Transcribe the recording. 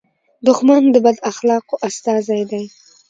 دښمن د بد اخلاقو استازی دی